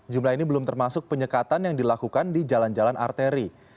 jumlah ini belum termasuk penyekatan yang dilakukan di jalan jalan arteri